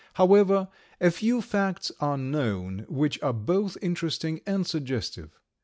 However, a few facts are known which are both interesting and suggestive.